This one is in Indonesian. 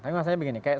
tapi maksudnya begini